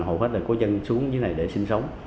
hầu hết là có dân xuống dưới này để sinh sống